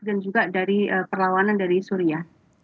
dan juga dari perlawanan dari syria